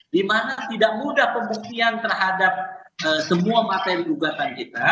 dimana tidak mudah pembuktian terhadap semua materi gugatan kita